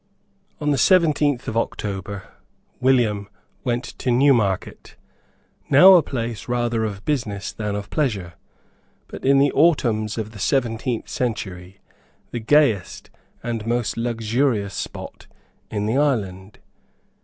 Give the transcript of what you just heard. On the seventeenth of October William went to Newmarket, now a place rather of business than of pleasure, but, in the autumns of the seventeenth century, the gayest and most luxurious spot in the island.